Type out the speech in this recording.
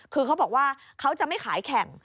คือเขาบอกว่าเขาจะไม่ขายแข่ง